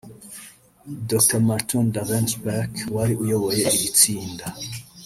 Dr Martun Doevenspeck wari uyoboye iri tsinda